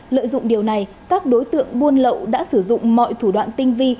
lợi dụng điều này các đối tượng buôn lậu đã sử dụng mọi thủ đoạn tinh vi